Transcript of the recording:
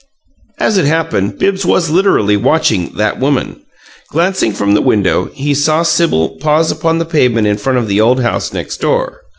As it happened, Bibbs was literally watching "that woman." Glancing from the window, he saw Sibyl pause upon the pavement in front of the old house next door.